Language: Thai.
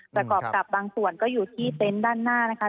ประกอบกับบางส่วนก็อยู่ที่เต็นต์ด้านหน้านะคะ